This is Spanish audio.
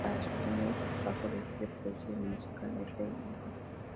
Para su primer trabajo decide producir el musical "El rey y yo".